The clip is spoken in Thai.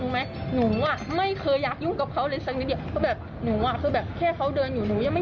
มันกระชากหนูข่าคหนูเดินพืชก็ส่าน้ำ